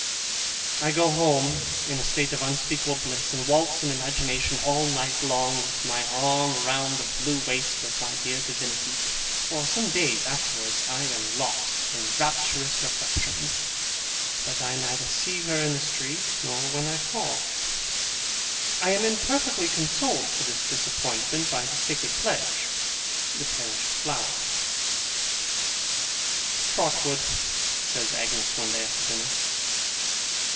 I go home in a state of unspeakable bliss, and waltz in imagination, all night long, with my arm round the blue waist of my dear divinity. For some days afterwards, I am lost in rapturous reflections; but I neither see her in the street, nor when I call. I am imperfectly consoled for this disappointment by the sacred pledge, the perished flower. 'Trotwood,' says Agnes, one day after dinner.